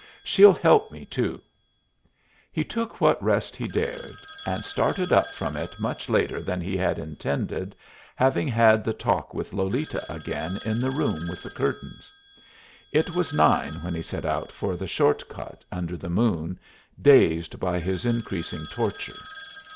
She'll help me to." He took what rest he dared, and started up from it much later than he had intended, having had the talk with Lolita again in the room with the curtains. It was nine when he set out for the short cut under the moon, dazed by his increasing torture.